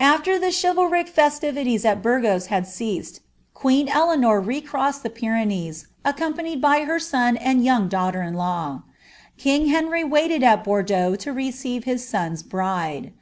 Anr the chivalric festivities at Burgos had ceased, queen Eleanor noesed the Pyrenees, accompanied by her son and young daufhter iw. King Henry waited at Bordeaux to receive his son's bride.'